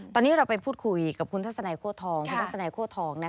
ตอนนี้เราไปพูดคุยกับคุณทัศนัยโค้ดทอง